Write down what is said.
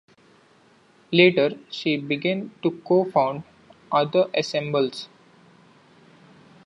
Later, she began to co-found other ensembles.